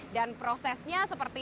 dan prosesnya seperti ini